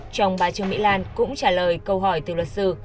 chồng bà trương mỹ lan cũng trả lời câu hỏi từ luật sư